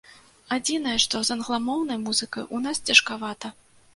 Адзінае, што з англамоўнай музыкай у нас цяжкавата.